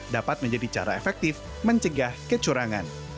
dapat menjadi cara efektif mencegah kecurangan